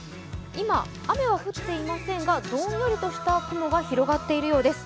今、雨は降っていませんが、どんよりとした雲が広がっているようです。